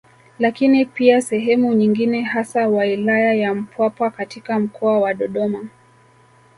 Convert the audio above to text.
Lakini pia sehemu nyingine hasa wailaya ya Mpwapwa katika mkoa wa Dodoma